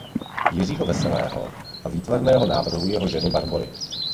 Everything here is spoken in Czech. Jiřího Veselého a výtvarného návrhu jeho ženy Barbory.